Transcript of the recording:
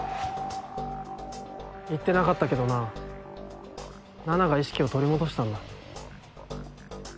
言ってなかったけどな奈々が意識を取り戻したんだ。